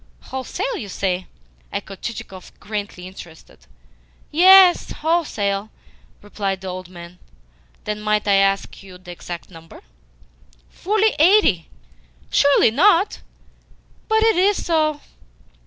"Wholesale, you say?" echoed Chichikov, greatly interested. "Yes, wholesale," replied the old man. "Then might I ask you the exact number?" "Fully eighty." "Surely not?" "But it is so."